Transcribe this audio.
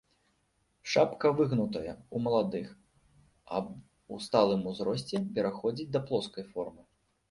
Шапка выгнутая ў маладых, а ў сталым узросце пераходзіць да плоскай формы.